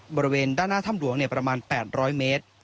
บริเวณด้านหน้าถ้ำหลวงประมาณ๘๐๐เมตร